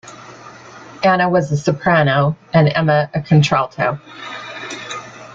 Anna was a soprano and Emma a contralto.